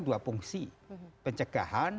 dua fungsi pencegahan